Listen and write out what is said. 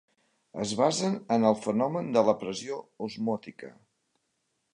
Es basen en el fenomen de la pressió osmòtica.